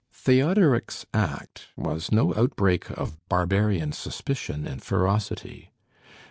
Theodoric's act was no outbreak of barbarian suspicion and ferocity.